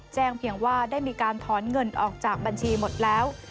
เพียงว่าได้มีการถอนเงินออกจากบัญชีหมดแล้ว